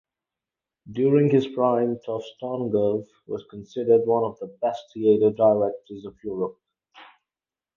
During his prime Tovstonogov was considered one of the best theatre directors of Europe.